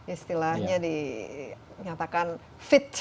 istilahnya dinyatakan fit